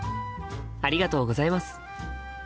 ありがとうございます。